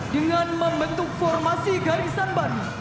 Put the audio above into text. dengan membentuk formasi garisan baru